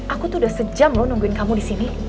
aku tuh udah sejam loh nungguin kamu disini